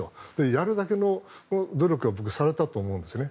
やるだけの努力を僕、されたと思うんですね。